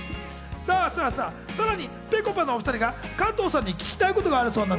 さらに、ぺこぱのお２人が加藤さんに聞きたいことがあるそうなん